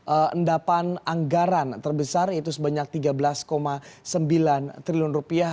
endapan anggaran terbesar yaitu sebanyak tiga belas sembilan triliun rupiah